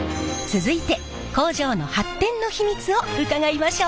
続いて工場の発展の秘密を伺いましょう！